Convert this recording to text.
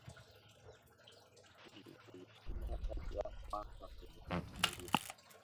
taifa la afrika Kusini lilishinda taji la kwanza kwenye historia